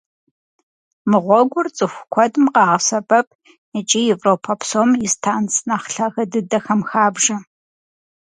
Мы гъуэгур цӀыху куэдым къагъэсэбэп икӀи Европэ псом и станц нэхъ лъагэ дыдэхэм хабжэ.